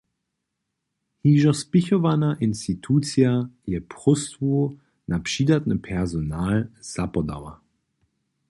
Hižo spěchowana institucija je próstwu za přidatny personal zapodała.